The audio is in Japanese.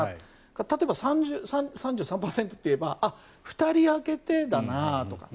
例えば３３％といえば２人空けてだなとか。